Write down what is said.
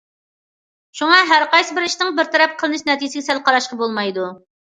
شۇڭا، ھەرقايسى بىر ئىشنىڭ بىر تەرەپ قىلىنىش نەتىجىسىگە سەل قاراشقا بولمايدۇ.